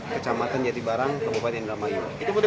kecamatan jatibarang ke bupati andramayu